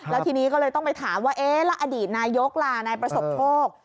แล้วทีนี้ก็เลยต้องไปถามว่าเอ๊ะแล้วอดีตนายกล่ะนายประสบโชค